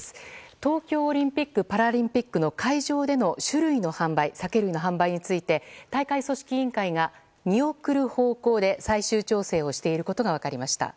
東京オリンピック・パラリンピックの会場での酒類の販売について大会組織委員会が見送る方向で最終調整をしていることが分かりました。